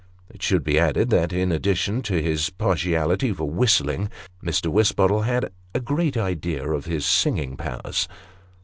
It should be added, that, in addition to his partiality for whistling, Mr. Wisbottle had a great idea of his singing powers.